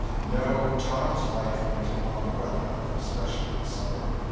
No, Tom's life went along well enough, especially in summer.